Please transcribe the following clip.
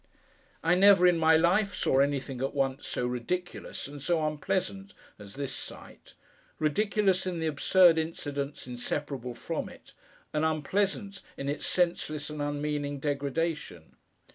I never, in my life, saw anything at once so ridiculous, and so unpleasant, as this sight—ridiculous in the absurd incidents inseparable from it; and unpleasant in its senseless and unmeaning degradation.